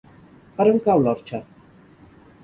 Per on cau l'Orxa?